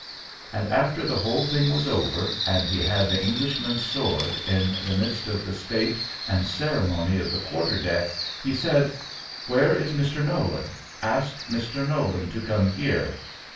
And after the whole thing was over, and he had the Englishman's sword, in the midst of the state and ceremony of the quarter deck, he said, "Where is Mr. Nolan? Ask Mr. Nolan to come here."